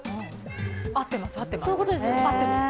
合ってます、合ってます。